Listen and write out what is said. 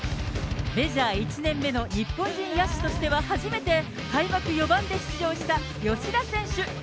メジャー１年目の日本人野手としては初めて、開幕４番で出場した吉田選手。